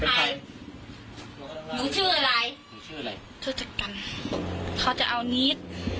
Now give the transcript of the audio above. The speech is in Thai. เขาจะเอานิทกัตเต้ยเอาเย็มเอาอะเอาไปทำอะไรฮะเอาไปทำไม